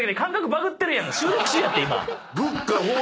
収録中やって今。